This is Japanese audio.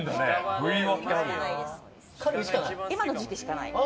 冬の時期しかないです。